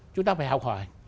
chúng ta phải học hỏi